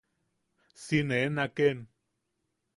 Si nee naken.